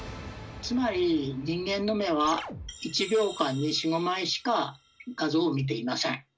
つまり人間の目は１秒間に４５枚しか画像を見ていません。